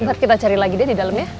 nanti kita cari lagi dia di dalamnya